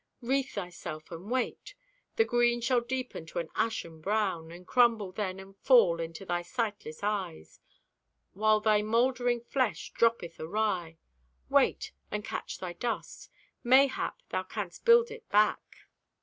Wreathe thyself and wait. The green shall deepen to an ashen brown And crumble then and fall into thy sightless eyes, While thy moldering flesh droppeth awry. Wait, and catch thy dust. Mayhap thou canst build it back!